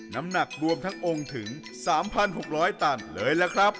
น้ำหนักรวมทั้งองค์ถึง๓๖๐๐ตันเลยล่ะครับ